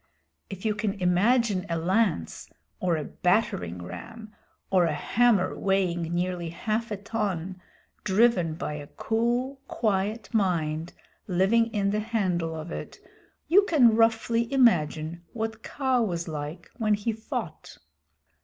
If you can imagine a lance, or a battering ram, or a hammer weighing nearly half a ton driven by a cool, quiet mind living in the handle of it, you can roughly imagine what Kaa was like when he fought.